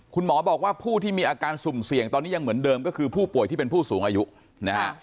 คุณหมอบอกว่าผู้ที่มีอาการสุ่มเสี่ยงตอนนี้ยังเหมือนเดิมก็คือผู้ป่วยที่เป็นผู้สูงอายุนะฮะ